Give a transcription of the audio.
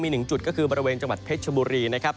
หนึ่งจุดก็คือบริเวณจังหวัดเพชรชบุรีนะครับ